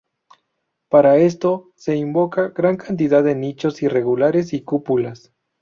Para esto se invoca gran cantidad de nichos irregulares y cúpulas.